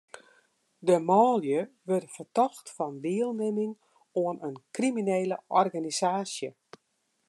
De manlju wurde fertocht fan dielnimming oan in kriminele organisaasje.